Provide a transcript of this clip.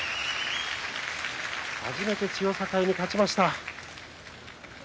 初めて千代栄に勝ちました。